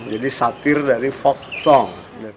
jadi satir dari folk song